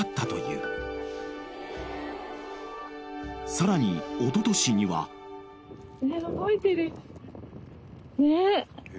［さらにおととしには］こっちに。